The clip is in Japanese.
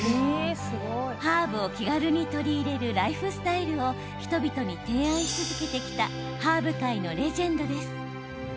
ハーブを気軽に取り入れるライフスタイルを人々に提案し続けてきたハーブ界のレジェンドです。